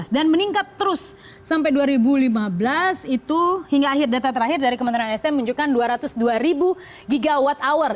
dan meningkat terus sampai dua ribu lima belas itu hingga akhir data terakhir dari kementerian sma menunjukkan dua ratus dua ribu gigawatt hour